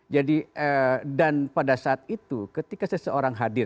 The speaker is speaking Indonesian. jadi dan pada saat itu ketika seseorang hadir